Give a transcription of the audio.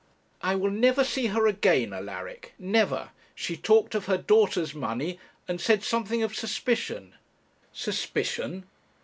'I will never see her again, Alaric! never; she talked of her daughter's money, and said something of suspicion!' Suspicion!